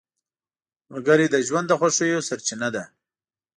ملګری د ژوند د خوښیو سرچینه ده